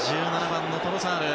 １７番のトロサール。